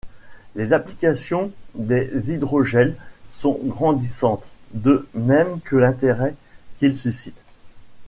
Les applications des hydrogels sont grandissantes, de même que l'intérêt qu'ils suscitent.